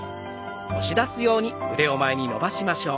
押し出すように前に伸ばしましょう。